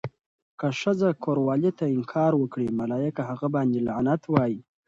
که ښځه کوروالې ته انکار وکړي، ملايکه هغه باندې لعنت وایی.